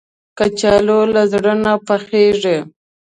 کچالو له زړه نه پخېږي